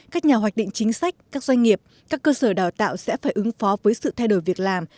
các nhà hoạch định chính sách các doanh nghiệp các cơ sở đào tạo sẽ phải ứng phó với sự thay đổi việc làm